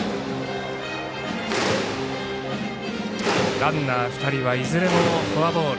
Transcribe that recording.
ランナー２人はいずれもフォアボール。